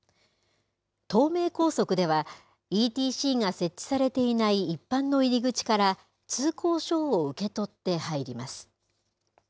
東名高速ではＥＴＣが設置されていない一般の入り口から、通行証を受け取って入ります。